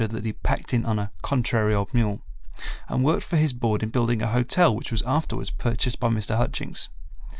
that he had packed in on a "contrary old mule," and worked for his board in building a hotel which was afterwards purchased by Mr. Hutchings.